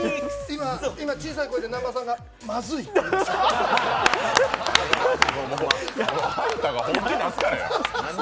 今、小さい声で南波さんがまずいあんたが本気出すからや。